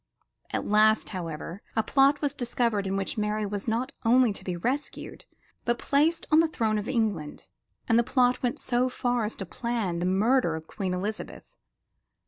At last, however, a plot was discovered in which Mary was not only to be rescued, but placed on the throne of England; and the plot went so far as to plan the murder of Queen Elizabeth.